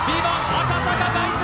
赤坂凱旋